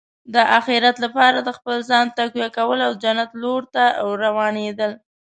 د اخرت لپاره د خپل ځان تقویه کول او د جنت لور ته روانېدل.